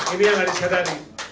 ini yang harus disadari